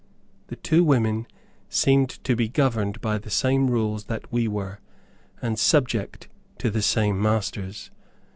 The two women seemed to be governed by the same rules that we were, and subject to the same masters.